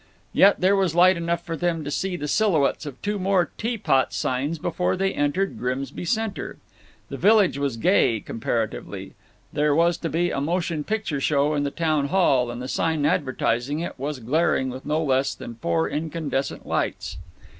Yet there was light enough for them to see the silhouettes of two more tea pot signs before they entered Grimsby Center. The village was gay, comparatively. There was to be a motion picture show in the town hall, and the sign advertising it was glaring with no less than four incandescent lights.